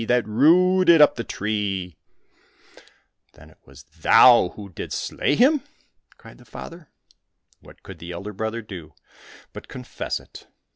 That rooted up the tree I "" Then it was thou who didst slay him ?" cried the father. What could the elder brother do but confess it